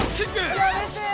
やめてぇ！